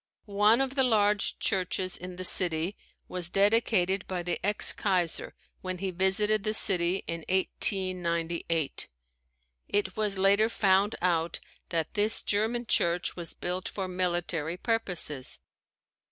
One of the large churches in the city was dedicated by the ex kaiser when he visited the city in 1898. It was later found out that this German church was built for military purposes.